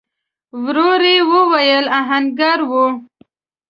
ورو يې وويل: آهنګر و؟